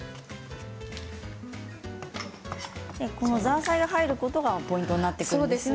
ザーサイが入ることがポイントになってくるんですよね。